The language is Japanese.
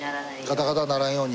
ガタガタにならんように。